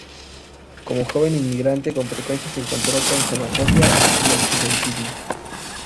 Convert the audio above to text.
Como joven inmigrante, con frecuencia se encontró con xenofobia y antisemitismo.